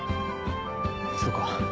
そうか。